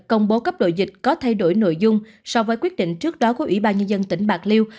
công bố cấp đội dịch có thay đổi nội dung so với quyết định trước đó của ủy ban nhân dân tỉnh bạc liêu